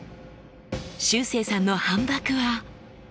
しゅうせいさんの反ばくは。